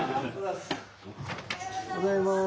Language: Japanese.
おはようございます。